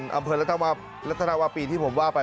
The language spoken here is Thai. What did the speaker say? อำเภอรัฐนาวาปีที่ผมว่าไป